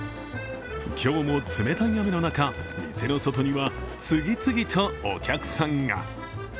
今日も冷たい雨の中店の外には次々とお客さんが。